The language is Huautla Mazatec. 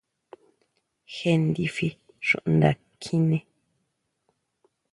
Jé ndifi xunda kjiné.